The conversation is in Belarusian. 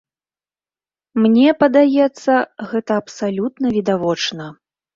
Мне падаецца, гэта абсалютна відавочна.